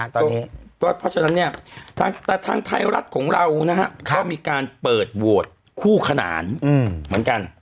เพราะฉะนั้นเนี่ยแต่ทางไทยรัฐของเราก็มีการเปิดโหวตคู่ขนานเหมือนกัน